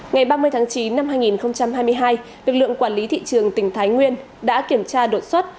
ngày ba mươi tháng chín năm hai nghìn hai mươi hai lực lượng quản lý thị trường tỉnh thái nguyên đã kiểm tra đột xuất